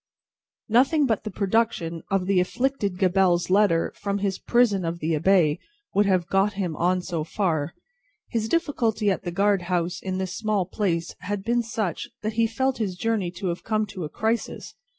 Nothing but the production of the afflicted Gabelle's letter from his prison of the Abbaye would have got him on so far. His difficulty at the guard house in this small place had been such, that he felt his journey to have come to a crisis.